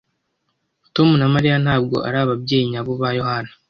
Tom na Mariya ntabwo ari ababyeyi nyabo ba Yohana.